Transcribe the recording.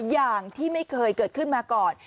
อย่างที่ไม่เคยเกิดขึ้นมาก่อน